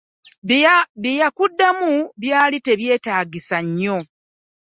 Bye yakuddamu byali tebyetaagisa nnyo.